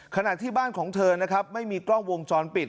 ขณะที่บ้านของเธอนะครับไม่มีกล้องวงจรปิด